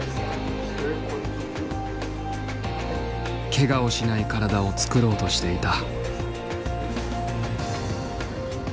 けがをしない体を作ろうとしていた。